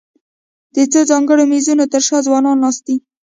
د څو ځانګړو مېزونو تر شا ځوانان ناست دي.